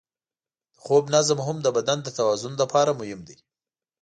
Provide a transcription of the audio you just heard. د خوب نظم هم د بدن د توازن لپاره مهم دی.